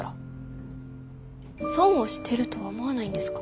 損をしてるとは思わないんですか？